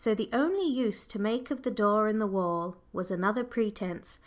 So the only use to make of the door in the wall was another pretence.